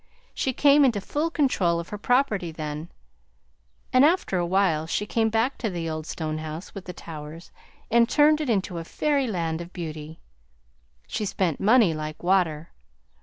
She came into full control of her property then, and after a while she came back to the old stone house with the towers and turned it into a fairyland of beauty. She spent money like water.